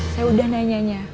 saya udah nanyanya